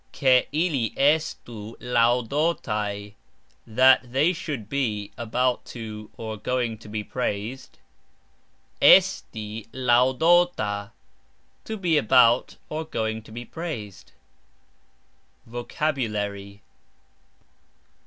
(Ke) ili estu lauxdotaj ..... (That) they should be about (going) to be praised. Esti lauxdota ............... To be about (going) to be praised. VOCABULARY.